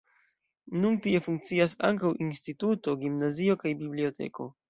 Nun tie funkcias ankaŭ instituto, gimnazio kaj biblioteko.